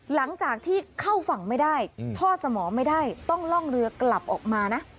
หลังจากที่เข้าฝั่งไม่ได้ทอดสมองไม่ได้ต้องล่องเรือกลับออกมานะ